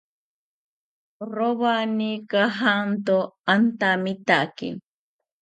Rowani kajanto antamitaki